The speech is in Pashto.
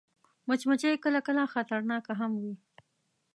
مچمچۍ کله کله خطرناکه هم وي